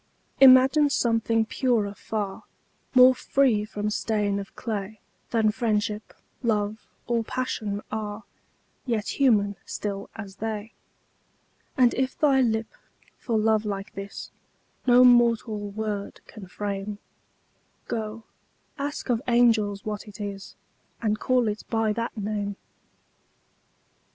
Imagine something purer far, More free from stain of clay Than Friendship, Love, or Passion are, Yet human, still as they: And if thy lip, for love like this, No mortal word can frame, Go, ask of angels what it is, And call it by that name!